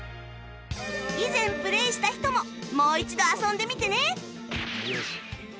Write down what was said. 以前プレイした人ももう一度遊んでみてね